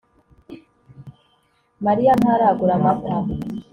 Mariya ntaragura amata